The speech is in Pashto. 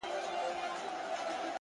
د پتنگانو دي سم كور وران سي.!